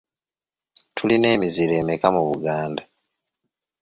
Tulina emiziro emeka mu Buganda.